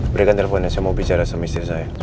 berikan teleponnya saya mau bicara sama istri saya